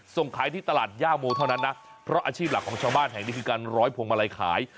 ส่งขายที่ตลาดย่าโมเท่านั้นนะเพราะอาชีพหลักของชาวบ้านแห่งนี้คือการร้อยพวงมาลัยขาย